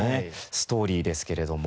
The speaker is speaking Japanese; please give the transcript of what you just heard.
ストーリーですけれども。